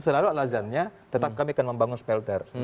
selalu alasannya tetap kami akan membangun smelter